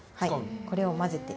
これをまぜて。